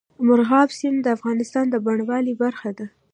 مورغاب سیند د افغانستان د بڼوالۍ برخه ده.